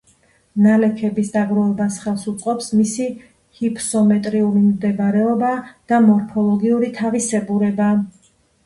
ნალექების დაგროვებას ხელს უწყობს მისი ჰიფსომეტრიული მდებარეობა და მორფოლოგიური თავისებურება.